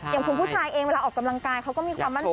อย่างคุณผู้ชายเองเวลาออกกำลังกายเขาก็มีความมั่นคง